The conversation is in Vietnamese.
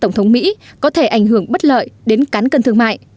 tổng thống mỹ có thể ảnh hưởng bất lợi đến cán cân thương mại